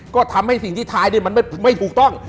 ก็ทำให้สิ่งที่ทายมันไม่ถูกต้อง